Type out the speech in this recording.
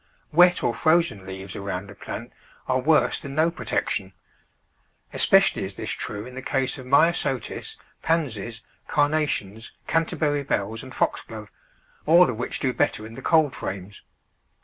Wet or frozen leaves around a plant are worse than no protection ; especially is this true in the case of Myosotis, Pansies, Carnations, Canterbury bells, and Foxglove, all of which do better in the cold frames.